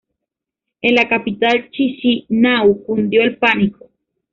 En la capital, Chisinau, cundió el pánico.